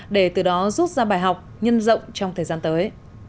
để từ đó rút ra bài học nhân rộng trong thời gian tới